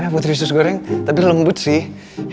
putri sus goreng tapi lembut sih